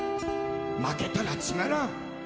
「負けたらつまらん」